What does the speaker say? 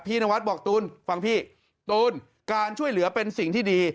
นวัดบอกตูนฟังพี่ตูนการช่วยเหลือเป็นสิ่งที่ดี